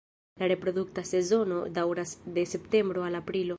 La reprodukta sezono daŭras de septembro al aprilo.